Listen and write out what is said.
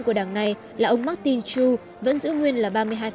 của đảng này là ông martin tru vẫn giữ nguyên là ba mươi hai